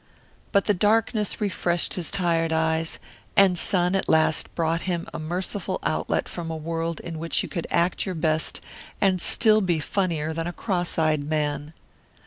But the darkness refreshed his tired eyes, and sun at last brought him a merciful outlet from a world in which you could act your best and still be funnier than a cross eyed man.